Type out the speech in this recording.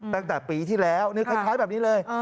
ตั้งแต่ปีที่แล้วนี่คล้ายแบบนี้เลย